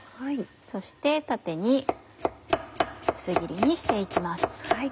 そして縦に薄切りにして行きます。